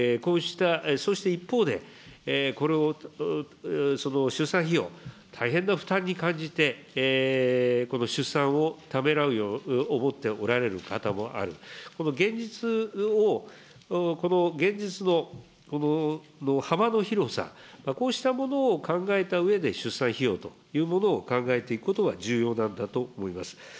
そして一方で、出産費用、大変な負担に感じて、この出産をためらうように思っておられる方もある、この現実を、この現実の幅の広さ、こうしたものを考えたうえで出産費用というものを考えていくことが重要なんだと思います。